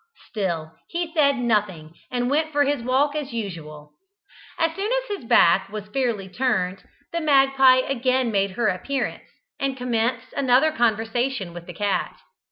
Still he said nothing, and went for his walk as usual. As soon as his back was fairly turned, the magpie again made her appearance, and commenced another conversation with the cat.